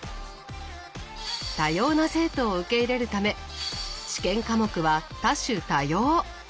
多様な生徒を受け入れるため試験科目は多種多様。